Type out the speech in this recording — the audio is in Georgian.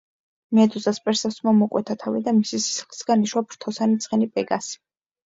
მედუზას პერსევსმა მოკვეთა თავი და მისი სისხლისაგან იშვა ფრთოსანი ცხენი პეგასი.